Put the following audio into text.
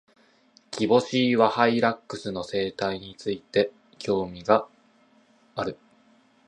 キボシイワハイラックスの生態について、興味がある。